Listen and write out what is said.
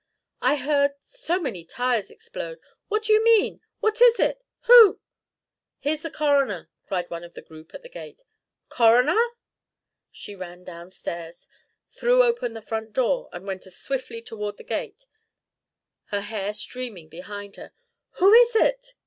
I heard so many tires explode What do you mean? What is it? Who " "Here's the coroner!" cried one of the group at the gate. "Coroner?" She ran down stairs, threw open the front door and went as swiftly toward the gate, her hair streaming behind her. "Who is it?"